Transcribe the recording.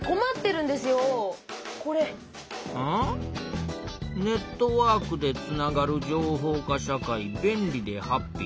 ん？「ネットワークでつながる情報化社会便利でハッピー！」。